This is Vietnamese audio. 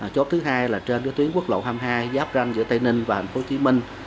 chốt thứ hai là trên tuyến quốc lộ hai mươi hai giáp ranh giữa tây ninh và thành phố hồ chí minh